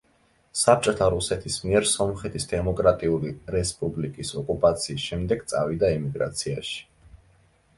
საბჭოთა რუსეთის მიერ სომხეთის დემოკრატიული რესპუბლიკის ოკუპაციის შემდეგ წავიდა ემიგრაციაში.